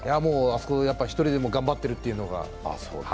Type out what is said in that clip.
あそこで１人で頑張ってるというのが。